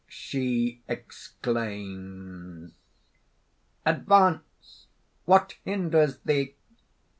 _ She exclaims): "Advance! What hinders thee?"